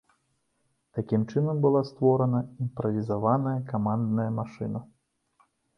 Такім чынам была створана імправізаваная камандная машына.